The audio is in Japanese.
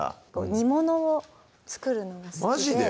煮物を作るのが好きでマジで？